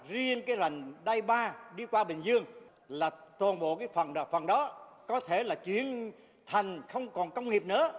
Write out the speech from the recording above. riêng cái rành đai ba đi qua bình dương là toàn bộ cái phần đập phần đó có thể là chuyển thành không còn công nghiệp nữa